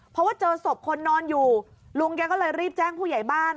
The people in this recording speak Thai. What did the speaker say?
เพราะว่าเจอศพคนนอนอยู่ลุงแกก็เลยรีบแจ้งผู้ใหญ่บ้าน